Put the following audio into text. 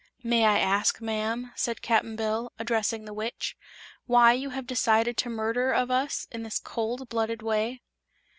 "May I ask, ma'am," said Cap'n Bill, addressing the Witch, "why you have decided to murder of us in this cold blooded way?"